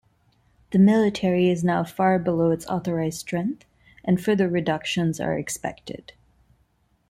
The military is now far below its authorized strength, and further reductions are expected.